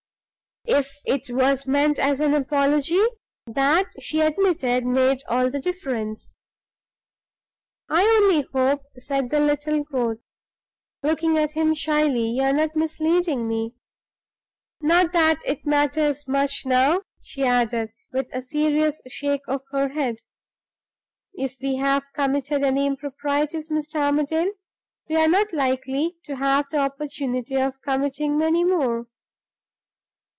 If it was meant as an apology, that, she admitted, made all the difference. "I only hope," said the little coquet, looking at him slyly, "you're not misleading me. Not that it matters much now," she added, with a serious shake of her head. "If we have committed any improprieties, Mr. Armadale, we are not likely to have the opportunity of committing many more."